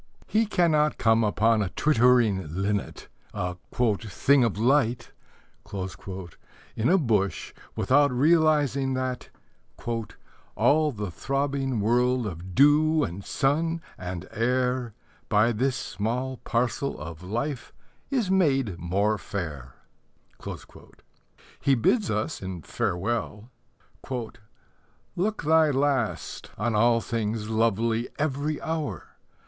He cannot come upon a twittering linnet, a "thing of light," in a bush without realizing that All the throbbing world Of dew and sun and air By this small parcel of life Is made more fair. He bids us in Farewell: Look thy last on all things lovely Every hour.